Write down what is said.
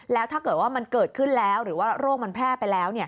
แล้วถ้าเกิดว่ามันเกิดขึ้นแล้วหรือว่าโรคมันแพร่ไปแล้ว